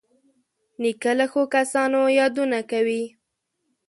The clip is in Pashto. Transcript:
نیکه له ښو کسانو یادونه کوي.